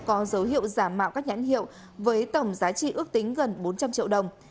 có dấu hiệu giả mạo các nhãn hiệu với tổng giá trị ước tính gần bốn trăm linh triệu đồng